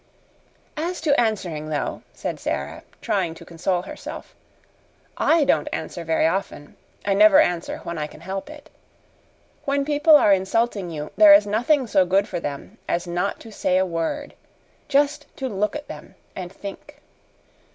"As to answering, though," said Sara, trying to console herself, "I don't answer very often. I never answer when I can help it. When people are insulting you, there is nothing so good for them as not to say a word just to look at them and THINK.